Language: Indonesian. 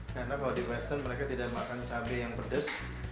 karena kalau di western mereka tidak makan cabai yang pedes